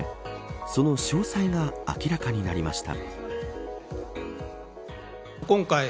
その詳細が明らかになりました。